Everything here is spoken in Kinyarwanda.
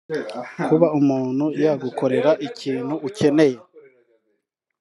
Kuba umuntu yagukorera ikintu ukeneye